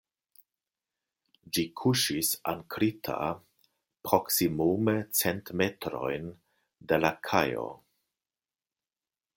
Ĝi kuŝis ankrita proksimume cent metrojn de la kajo.